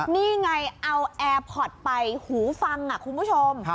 นี่ไงเอาแอร์พอร์ตไปหูฟังคุณผู้ชม